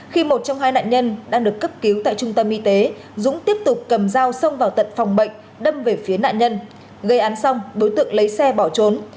khi một trong hai nạn nhân đang được cấp cứu tại trung tâm y tế dũng tiếp tục cầm dao xông vào tận phòng bệnh đâm về phía nạn nhân gây án xong đối tượng lấy xe bỏ trốn